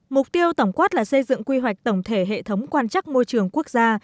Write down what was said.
mục tiêu tổng quát là xây dựng quy hoạch tổng thể hệ thống quan trắc môi trường quốc gia